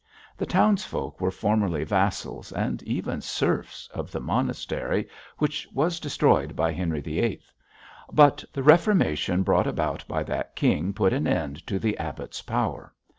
The townsfolk were formerly vassals, and even serfs, of the monastery which was destroyed by Henry VIII.; but the Reformation brought about by that king put an end to the abbot's power.